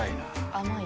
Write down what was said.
甘い？